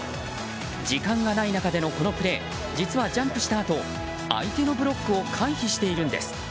時間がない中でのこのプレー実はジャンプしたあと相手のブロックを回避しているんです。